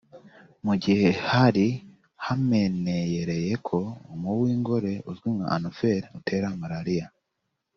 Mu gihe hari hameneyerewe ko umubu w’ingore uzwi nka anophere utera Malariya